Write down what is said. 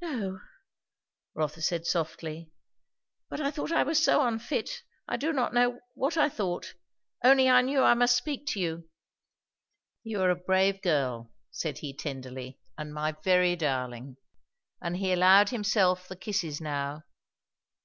"No " Rotha said softly. "But I thought I was so unfit I do not know what I thought! only I knew I must speak to you." "You are a brave girl," said he tenderly, "and my very darling." And he allowed himself the kisses now.